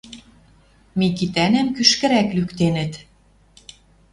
Микитӓнӓм кӱшкӹрӓк лӱктенӹт —